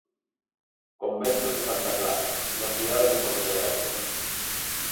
Convento de Santa Clara, na cidade de Pontevedra.